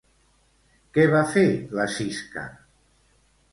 Què va fer la Sisca?